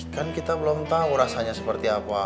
kan kita belum tahu rasanya seperti apa